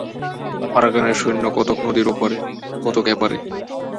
আরাকানের সৈন্য কতক নদীর ওপারে কতক এপারে।